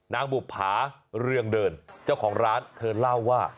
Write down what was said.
บุภาเรืองเดินเจ้าของร้านเธอเล่าว่า